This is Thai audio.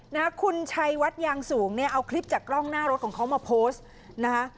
นะคะคุณชัยวัดยางสูงเนี่ยเอาคลิปจากกล้องหน้ารถของเขามาโพสต์นะคะ